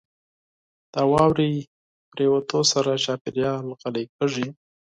• د واورې پرېوتو سره چاپېریال غلی کېږي.